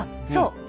そう。